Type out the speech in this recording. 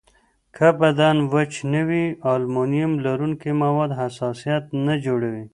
که بدن وچ نه وي، المونیم لرونکي مواد حساسیت جوړوي.